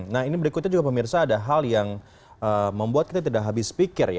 nah ini berikutnya juga pemirsa ada hal yang membuat kita tidak habis pikir ya